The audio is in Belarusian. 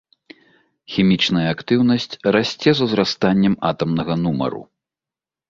Хімічная актыўнасць расце з узрастаннем атамнага нумару.